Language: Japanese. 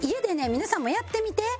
皆さんもやってみて。